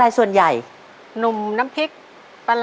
ตัวเลือกที่สี่ชัชวอนโมกศรีครับ